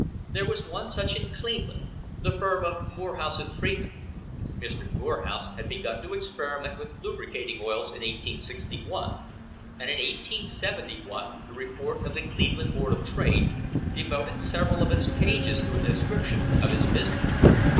There was one such in Cleveland — the firm of Morehouse and Freeman. Mr. Morehouse had begun to experiment with lubricating oils in 1861, and in 1871 the report of the Cleveland Board of Trade devoted several of its pages to a description of his business.